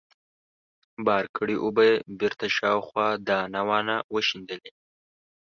بار کړې اوبه يې بېرته شاوخوا دانه وانه وشيندلې.